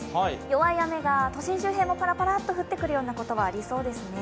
弱い雨が都心周辺もぱらぱらと降ってくることはありそうですね。